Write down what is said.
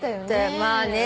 まあね。